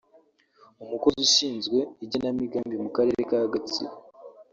Umukozi ushinzwe Igenamigambi mu Karere ka Gatsibo